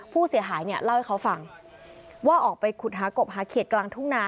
ผู้เสียหายเนี่ยเล่าให้เขาฟังว่าออกไปขุดหากบหาเขียดกลางทุ่งนา